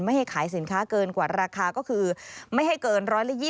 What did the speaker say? ให้ขายสินค้าเกินกว่าราคาก็คือไม่ให้เกิน๑๒๐